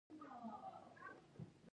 انسان له تېروتنې خالي نه دی.